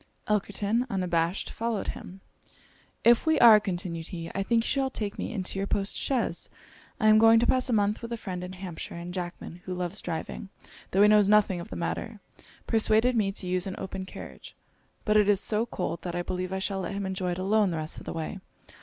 Elkerton, unabashed, followed him. 'If we are,' continued he, 'I think you shall take me into your post chaise. I am going to pass a month with a friend in Hampshire; and Jackman, who loves driving, tho' he knows nothing of the matter, persuaded me to use an open carriage; but it is so cold, that I believe I shall let him enjoy it alone the rest of the way.